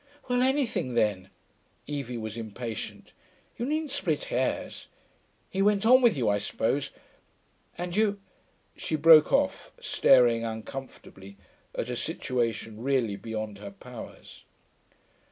'Well anything, then.' Evie was impatient. 'You needn't split hairs.... He went on with you, I suppose.... And you....' She broke off, staring, uncomfortably, at a situation really beyond her powers.